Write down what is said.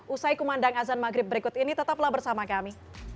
usai kumandang azan maghrib berikut ini tetaplah bersama kami